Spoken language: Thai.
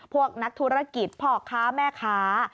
พวกนักธุรกิจพ่อค้าแม่ค้า